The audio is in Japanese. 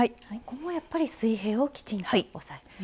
ここもやっぱり水平をきちんと押さえる？